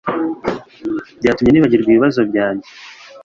Byatumye nibagirwa ibibazo byanjye